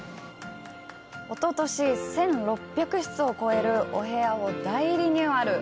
おととし、１６００室を超えるお部屋を大リニューアル！